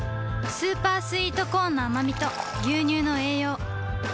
スーパースイートコーンのあまみと牛乳の栄養